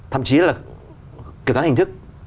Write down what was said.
thậm chí là kiểm toán hình thức